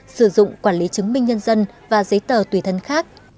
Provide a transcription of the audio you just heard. sử dụng quản lý chứng minh nhân dân và giấy tờ tùy thân khác